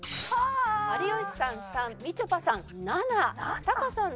有吉さん３みちょぱさん７！